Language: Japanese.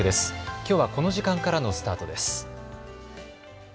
きょうはこの時間からのスタートです。